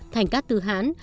thành các từ hán